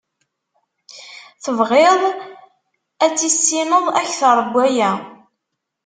Tebɣiḍ ad tissineḍ akter n waya.